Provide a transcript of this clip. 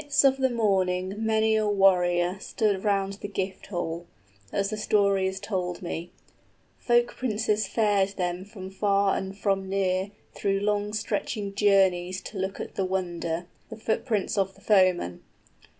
} In the mist of the morning many a warrior Stood round the gift hall, as the story is told me: Folk princes fared then from far and from near Through long stretching journeys to look at the wonder, 5 The footprints of the foeman.